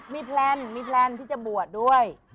แม้มีแพลนที่จะบวชด้วย